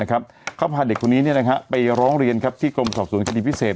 เขาพาเด็กคนนี้ไปร้องเรียนที่กรมสอบสวนคดีพิเศษ